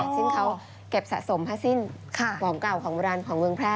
ซึ่งเขาเก็บสะสมผ้าสิ้นหว่างเก่าของเมืองแพร่